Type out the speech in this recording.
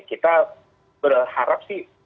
kita berharap sih